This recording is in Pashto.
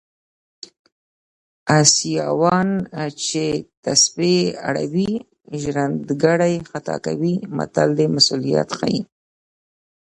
اسیاوان چې تسبې اړوي ژرندګړی خطا کوي متل د مسوولیت ښيي